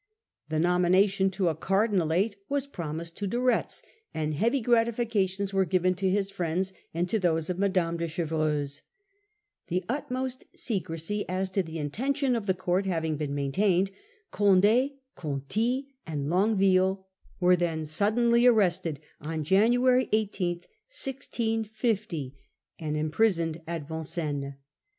The nomination to a cardinalate was promised to De Retz, and heavy gratifications were given Arrest of to his friends and to those of Mme. de Cond£, Chevreuse. The utmost secrecy as to the Longuevilie. intention of the court having been maintained, Condd, Conti, and Longuevilie were then suddenly arrested on January 18, 1650, and imprisoned at Vin cennes.